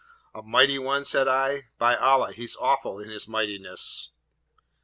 A mighty one, said I? by Allah, he's awful in his mightiness!'